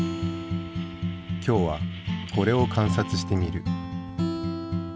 今日はこれを観察してみる。